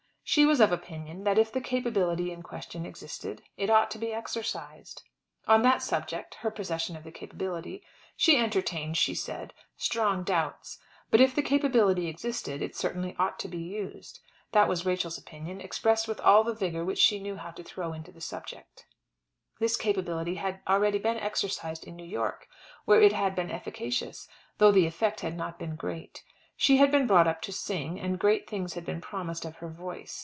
She was of opinion that if the capability in question existed, it ought to be exercised. On that subject, her possession of the capability, she entertained, she said, strong doubts. But if the capability existed it certainly ought to be used. That was Rachel's opinion, expressed with all the vigour which she knew how to throw into the subject. This capability had already been exercised in New York, where it had been efficacious, though the effect had not been great. She had been brought up to sing, and great things had been promised of her voice.